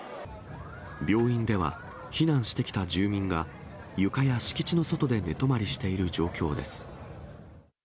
病院では、避難してきた住民が、床や敷地の外で寝泊まりしている状況です。